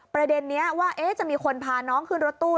ประเด็นนี้ว่าจะมีคนพาน้องขึ้นรถตู้